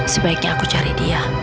sebaiknya aku cari dia